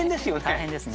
大変ですね。